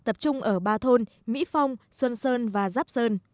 tập trung ở ba thôn mỹ phong xuân sơn và giáp sơn